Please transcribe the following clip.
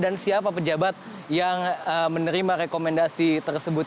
dan siapa pejabat yang menerima rekomendasi tersebut